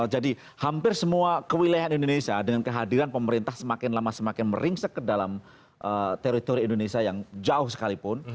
jadi hampir semua kewilayahan indonesia dengan kehadiran pemerintah semakin lama semakin meringsek ke dalam teritori indonesia yang jauh sekalipun